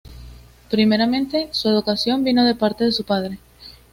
Primeramente, su educación vino de parte de su padre.